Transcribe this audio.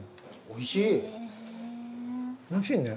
おいしいね。